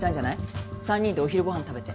３人でお昼ご飯食べて。